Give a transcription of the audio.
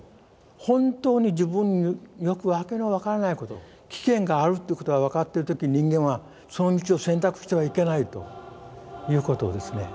本当に自分によく訳の分からないこと危険があるってことが分かってる時人間はその道を選択してはいけないということをですね